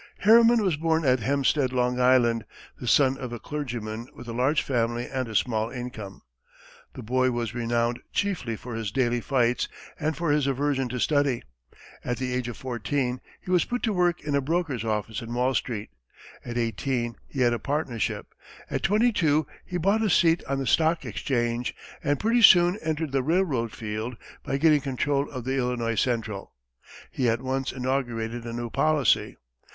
Harriman was born at Hempstead, Long Island, the son of a clergyman with a large family and a small income. The boy was renowned chiefly for his daily fights and for his aversion to study. At the age of fourteen, he was put to work in a broker's office in Wall street, at eighteen he had a partnership, at twenty two he bought a seat on the stock exchange, and pretty soon entered the railroad field by getting control of the Illinois Central. He at once inaugurated a new policy.